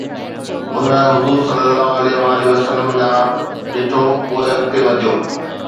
هن حضور ﷺ ڏانهن ڏٺو، پوءِ اڳتي وڌيو